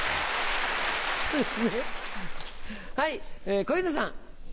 はい小遊三さん。